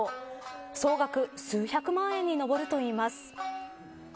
総額数百万円に上るといいます。